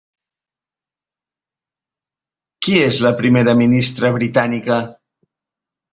Qui és la primera ministra britànica?